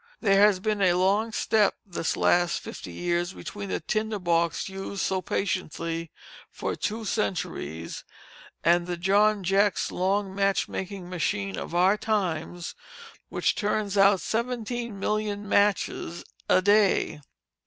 There has been a long step this last fifty years between the tinder box used so patiently for two centuries, and the John Jex Long match making machine of our times, which turns out seventeen million matches a day.